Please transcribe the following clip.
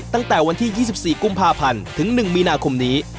ตั้งแต่วันที่๒๔กุมภาพันธ์ถึง๑มีนาคมนี้